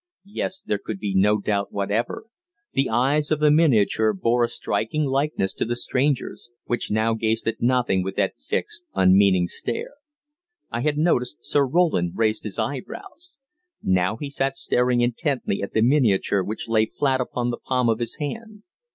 Yes, there could be no doubt whatever the eyes of the miniature bore a striking likeness to the stranger's, which now gazed at nothing with that fixed, unmeaning stare. I had noticed Sir Roland raised his eyebrows. Now he sat staring intently at the miniature which lay flat upon the palm on his hand.